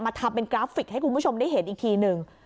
ทำเป็นกราฟิกให้คุณผู้ชมได้เห็นอีกทีหนึ่ง